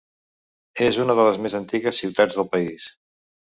És una de les més antigues ciutats del país.